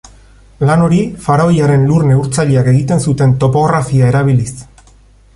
Lan hori faraoiaren lur-neurtzaileak egiten zuten topografia erabiliz.